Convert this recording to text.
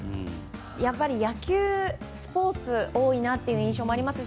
やっぱり野球、スポーツが多いなという印象もあります